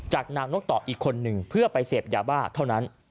นางนกต่ออีกคนนึงเพื่อไปเสพยาบ้าเท่านั้น